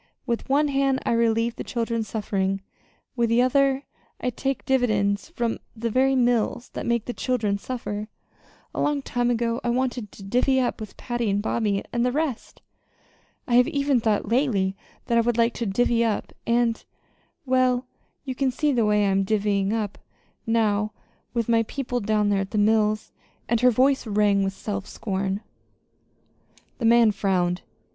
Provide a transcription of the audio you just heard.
With one hand I relieve the children's suffering; with the other I take dividends from the very mills that make the children suffer. A long time ago I wanted to 'divvy up' with Patty, and Bobby and the rest. I have even thought lately that I would still like to 'divvy up'; and well, you can see the way I am 'divvying up' now with my people down there at the mills!" And her voice rang with self scorn. The man frowned.